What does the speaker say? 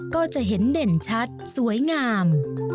ก็จะเห็นเด่นชัดสวยงาม